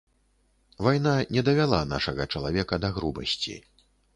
Вайна не давяла нашага чалавека да грубасці.